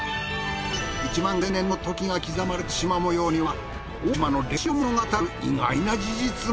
１万５，０００年の時が刻まれた縞模様には大島の歴史を物語る意外な事実が。